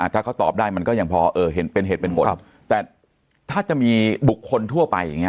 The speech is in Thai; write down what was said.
อ่าถ้าเขาตอบได้มันก็อย่างพอเออเห็นเป็นเหตุเป็นหมดครับแต่ถ้าจะมีบุคคลทั่วไปอย่างเงี้ย